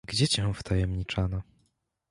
"Gdzie cię wtajemniczano?"